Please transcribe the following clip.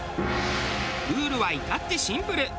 ルールは至ってシンプル。